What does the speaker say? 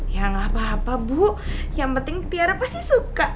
ya gapapa bu yang penting tiara pasti suka